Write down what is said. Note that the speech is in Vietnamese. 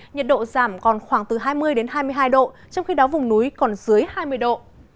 nhiệt độ giảm còn khoảng từ hai mươi hai mươi hai độ trong khi đó vùng núi còn dưới hai mươi độ